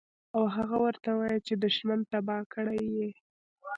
او هغه ورته وائي چې دشمن تباه کړے ئې